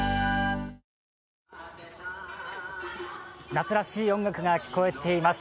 夏らしい音楽が聞こえています。